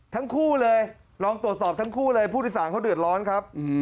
ทั้งคู่เลยลองตรวจสอบทั้งคู่เลยผู้โดยสารเขาเดือดร้อนครับ